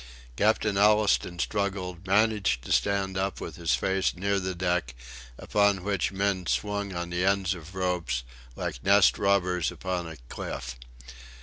Captain Allistoun struggled, managed to stand up with his face near the deck, upon which men swung on the ends of ropes, like nest robbers upon a cliff.